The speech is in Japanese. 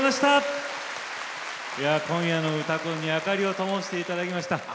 今夜の「うたコン」に灯りをともしていただきました。